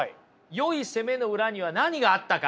よい攻めの裏には何があったか。